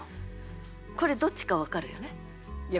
これどっちか分かるよね？